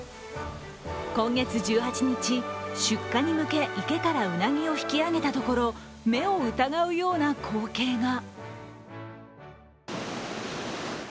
今月１８日、出荷に向け、池からうなぎを引き上げたところ目を疑うような光景が。